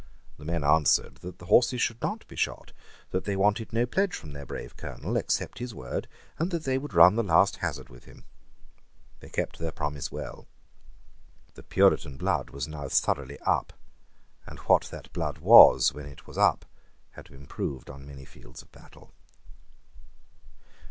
The men answered that the horses should not be shot, that they wanted no pledge from their brave Colonel except his word, and that they would run the last hazard with him. They kept their promise well. The Puritan blood was now thoroughly up; and what that blood was when it was up had been proved on many fields of battle.